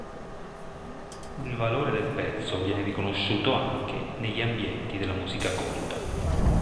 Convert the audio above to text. Il valore del pezzo viene riconosciuto anche negli ambienti della musica colta.